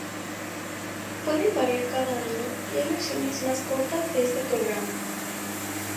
Pueden variar cada año y hay versiones más cortas de este programa.